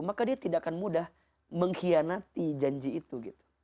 maka dia tidak akan mudah mengkhianati janji itu